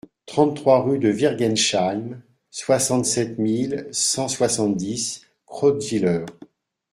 trente-trois rue de Wingersheim, soixante-sept mille cent soixante-dix Krautwiller